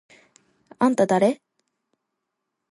あんただれ？！？